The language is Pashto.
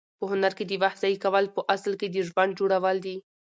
په هنر کې د وخت ضایع کول په اصل کې د ژوند جوړول دي.